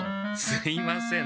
すいません。